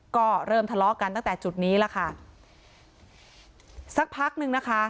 ก็เริ่มทะเลาะกันตั้งแต่จุดนี้ล่ะค่ะสักพักนึงนะคะ